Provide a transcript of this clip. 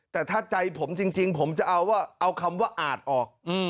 แต่ถ้าใจผมจริงผมจะเอาคำว่าอาจออก